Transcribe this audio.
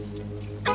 keh gini ya